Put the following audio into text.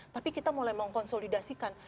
tapi kita mulai mengkonsolidasikan